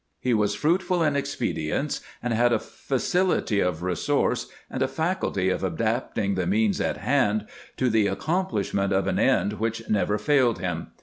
He was fruitful in expedients, and had a facility of resource and a faculty of adapting the means at hand to the ac complishment of an end which never faUed him.